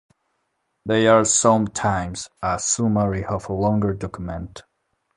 They are sometimes a summary of a longer document.